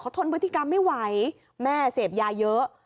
ทนพฤติกรรมไม่ไหวแม่เสพยาเยอะ